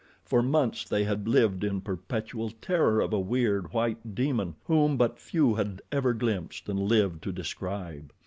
For months they had lived in perpetual terror of a weird, white demon whom but few had ever glimpsed and lived to describe.